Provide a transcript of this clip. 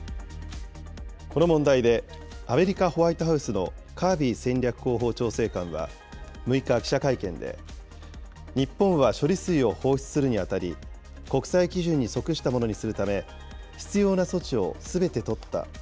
この問題でアメリカホワイトハウスのカービー戦略広報調整官は、６日、記者会見で、日本は処理水を放出するにあたり、国際基準に即したものにするため、必要な措置をすべて取った。